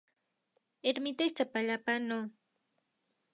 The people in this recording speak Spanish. Ermita Iztapalapa No.